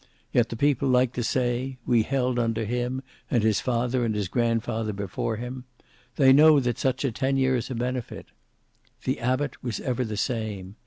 Yet the people like to say, We held under him, and his father and his grandfather before him: they know that such a tenure is a benefit. The abbot was ever the same.